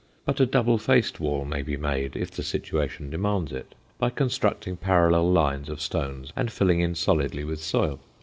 But a double faced wall may be made, if the situation demands it, by constructing parallel lines of stones and filling in solidly with soil.